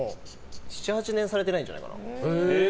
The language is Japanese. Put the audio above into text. ７８年されてないんじゃないかな。